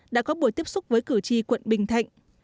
đã có buổi tiếp xúc với cử tri quận bình thạnh